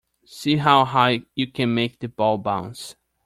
See how high you can make the ball bounce